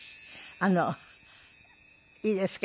あのいいですか？